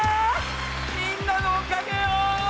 みんなのおかげよ！